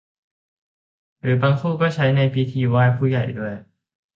หรือบางคู่ก็ใช้ในพิธีไหว้ผู้ใหญ่ด้วย